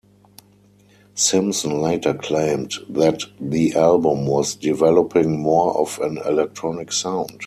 Simpson later claimed that the album was developing more of an electronic sound.